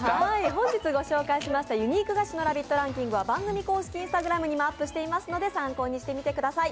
本日ご紹介しましたユニーク菓子のランキングは番組公式Ｉｎｓｔａｇｒａｍにもアップしてますので参考にしてみてください。